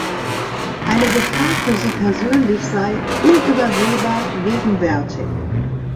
Eine Gefahr für sie persönlich sei „unübersehbar gegenwärtig“.